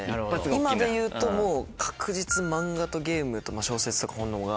今でいうともう確実に漫画とゲームと小説とか本のほうが。